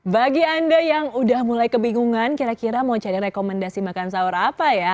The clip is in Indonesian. bagi anda yang udah mulai kebingungan kira kira mau cari rekomendasi makan sahur apa ya